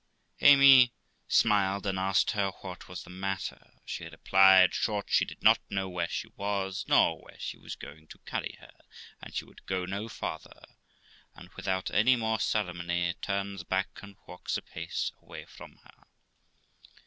Amy smiled, and asked her what was the matter? She replied, short, she did not know where she was, nor where she was going to carry her, and she would go no farther ; and, without any more ceremony, turns back, and walks apace away from her.